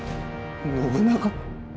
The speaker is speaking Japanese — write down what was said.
信長。